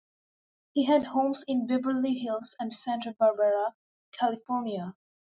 He had homes in Beverly Hills and Santa Barbara, California.